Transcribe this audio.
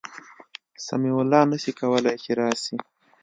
سمیع الله نسي کولای چي راسي